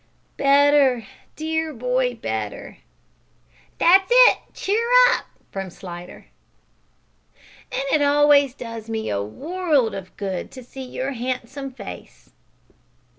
"Better, dear boy, better" ("That's it, cheer up!" from Slidder) "and it always does me a world of good to see your handsome face."